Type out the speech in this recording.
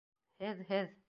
Һеҙ, һеҙ!..